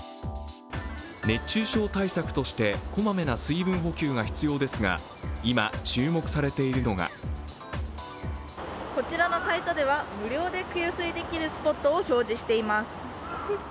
熱中症対策として、こまめな水分補給が必要ですが今、注目されているのがこちらのサイトでは無料で給水できるスポットを表示しています。